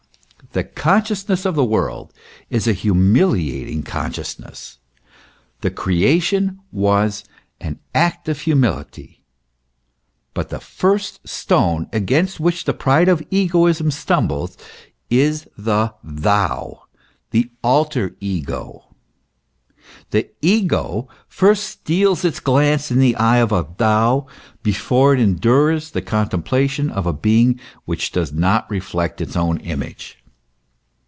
The consciousness of the world is a humili ating consciousness; the Creation was an "act of humility;" but the first stone against which the pride of egoism stumbles, is the thou, the alter ego. The ego first steels its glance in the eye of a thou, before it endures the contemplation of a being which does not reflect its own image.